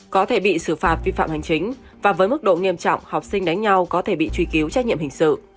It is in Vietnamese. có thể bị xử phạt vi phạm hành chính và với mức độ nghiêm trọng học sinh đánh nhau có thể bị truy cứu trách nhiệm hình sự